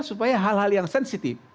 supaya hal hal yang sensitif